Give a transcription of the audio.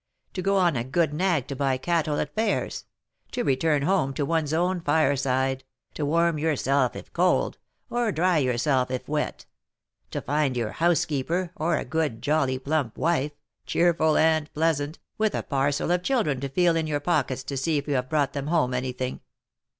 To go on a good nag to buy cattle at fairs, to return home to one's own fireside, to warm yourself if cold, or dry yourself if wet, to find your housekeeper, or a good, jolly, plump wife, cheerful and pleasant, with a parcel of children to feel in your pockets to see if you have brought them home anything!